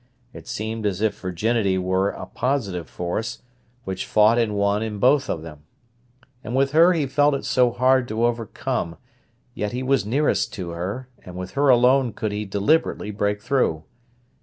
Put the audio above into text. It seemed as if virginity were a positive force, which fought and won in both of them. And with her he felt it so hard to overcome; yet he was nearest to her, and with her alone could he deliberately break through.